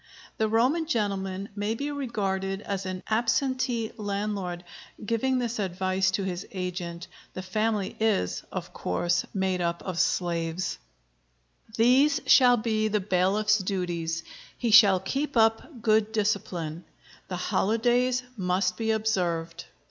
The Roman gentleman may be regarded as an "absentee landlord," giving this advice to his agent. The "family" is, of course, made up of slaves.] These shall be the bailiff's duties. He shall keep up good discipline. The holidays must be observed.